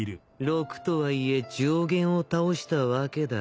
陸とはいえ上弦を倒したわけだ。